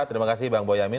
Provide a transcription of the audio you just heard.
terima kasih bang boyamin